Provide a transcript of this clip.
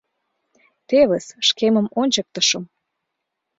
Тевыс, шкемым ончыктышым.